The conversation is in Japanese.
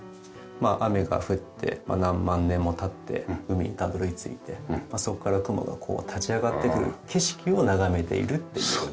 まあ雨が降って何万年も経って海にたどり着いてそこから雲がこう立ち上がってくる景色を眺めているっていう。